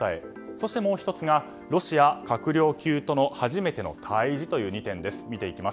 そしてもう１つがロシア閣僚級との初めての対峙という２点です。